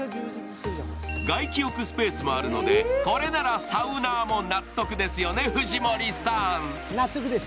外気浴スペースもあるのでこれならサウナーも納得ですよね、藤森さん？